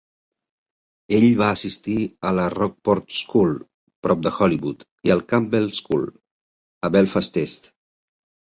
Ell va assistir a la Rockport School, prop de Hollywood i al Campbell School, a Belfast est.